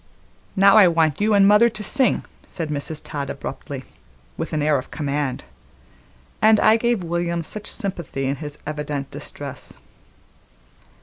"Now I want you an' mother to sing," said Mrs. Todd abruptly, with an air of command, and I gave William much sympathy in his evident distress.